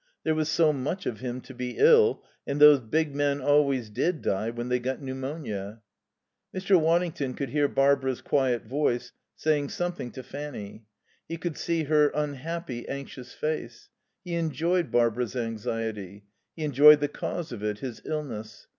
There was so much of him to be ill, and those big men always did die when they got pneumonia. Mr. Waddington could hear Barbara's quiet voice saying something to Fanny; he could see her unhappy, anxious face. He enjoyed Barbara's anxiety. He enjoyed the cause of it, his illness.